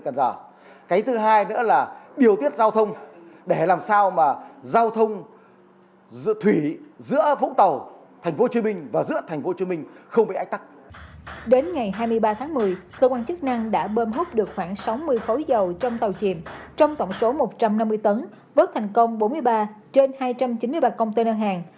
trong tổng số một trăm năm mươi tấn vớt thành công bốn mươi ba trên hai trăm chín mươi ba container hàng